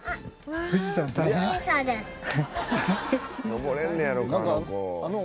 登れんねやろかあの子。